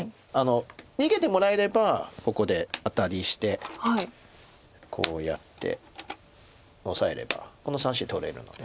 逃げてもらえればここでアタリしてこうやってオサえればこの３子取れるので。